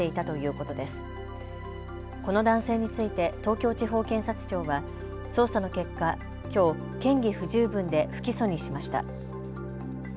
この男性について東京地方検察庁は捜査の結果、きょう嫌疑不十分で不起訴にしました。